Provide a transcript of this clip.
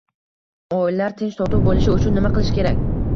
Oilalar tinch-totuv bo‘lishi uchun nima qilish kerak?